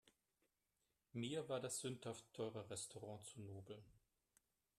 Mir war das sündhaft teure Restaurant zu nobel.